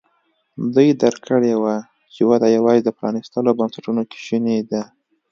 دوی درک کړې وه چې وده یوازې د پرانیستو بنسټونو کې شونې ده.